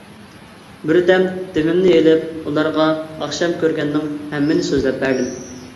بىردەم دىمىمنى ئىلىپ ئۇلارغا ئاخشام كۆرگەننىڭ ھەممىنى سۆزلەپ بەردىم.